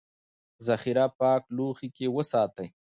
ذخیره پاک لوښي کې وساتئ.